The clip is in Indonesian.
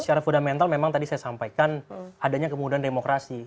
secara fundamental memang tadi saya sampaikan adanya kemudahan demokrasi